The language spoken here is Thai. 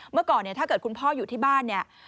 เมื่อก่อนถ้าเกิดคุณพ่ออยู่ที่บ้าน